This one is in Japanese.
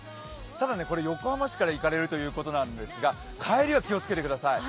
ただ、横浜市から行かれるということですが帰りは気をつけてください。